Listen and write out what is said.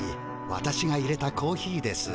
私がいれたコーヒーです。